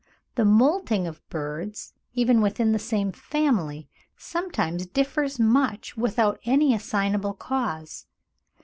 The moulting of birds, even within the same family, sometimes differs much without any assignable cause.